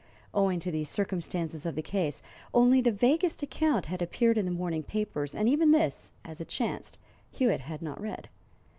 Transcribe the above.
Owing to the circumstances of the case, only the vaguest account had appeared in the morning papers, and even this, as it chanced, Hewitt had not read.